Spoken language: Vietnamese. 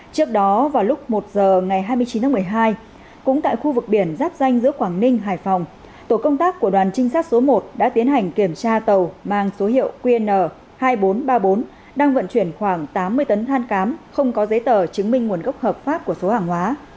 trước đó vào lúc một giờ ngày hai mươi chín tháng một mươi hai cũng tại khu vực biển giáp danh giữa quảng ninh hải phòng tổ công tác của đoàn trinh sát số một đã tiến hành kiểm tra tàu mang số hiệu qn hai nghìn bốn trăm ba mươi bốn đang vận chuyển khoảng tám mươi tấn than cám không có giấy tờ chứng minh nguồn gốc hợp pháp của số hàng hóa